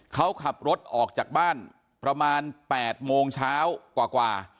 เขาขับรถออกจากบ้านประมาณ๘โมงเช้ากว่า